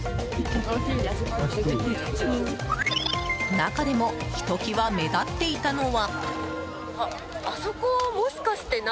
中でも、ひときわ目立っていたのは。